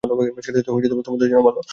সেটাই তোমার জন্য ভালো হবে।